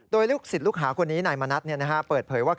โดยลูกศิษย์ลูกหาคนนี้นายมณัฐเปิดเผยว่า